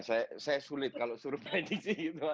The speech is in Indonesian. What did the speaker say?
saya sulit kalau disuruh prediksi